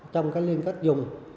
trong cái liên kết dùng